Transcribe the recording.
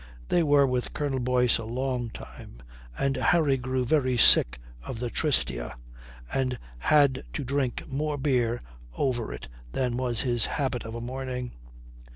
They were with Colonel Boyce a long time, and Harry grew very sick of the Tristia, and had to drink more beer over it than was his habit of a morning.